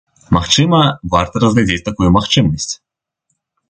Магчыма, варта разгледзець такую магчымасць.